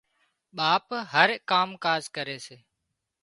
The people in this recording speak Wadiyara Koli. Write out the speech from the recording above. ٻاپ هر ڪام ڪاز ڪري سي